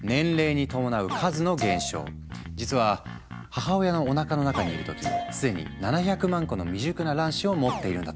実は母親のおなかの中にいる時既に７００万個の未熟な卵子を持っているんだとか。